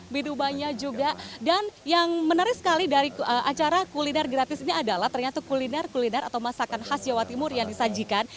mie dubanya juga dan yang menarik sekali dari acara kuliner gratis ini adalah ternyata kuliner kuliner atau masakan khas jawa timur yang disajikan